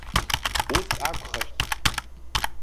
Ус акәхашт.